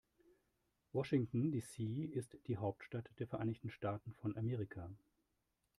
Washington, D.C. ist die Hauptstadt der Vereinigten Staaten von Amerika.